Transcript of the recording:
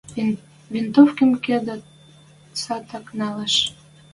Винтовкым кидӹш цаток нӓлӓш